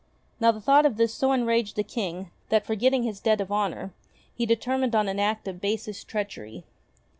Now the thought of this so enraged the King that, forgetting his debt of honour, he determined on an act of basest treachery.